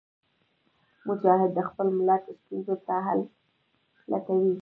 مجاهد د خپل ملت ستونزو ته حل لټوي.